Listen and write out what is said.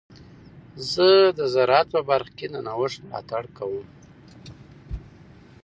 زه د زراعت په برخه کې د نوښت ملاتړ کوم.